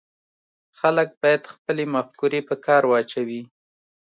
خلک باید خپلې مفکورې په کار واچوي